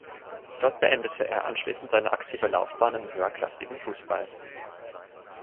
Dort beendete er anschließend seine aktive Laufbahn im höherklassigen Fußball.